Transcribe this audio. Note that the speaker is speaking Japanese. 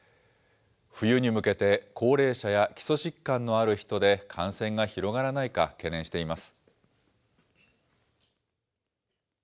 冬に向けて、高齢者や基礎疾患のある人で感染が広がらないか、懸念しています。